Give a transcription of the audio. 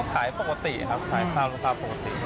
ขายปกติครับขายตามราคาปกติ